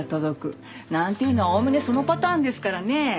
なんていうのはおおむねそのパターンですからね。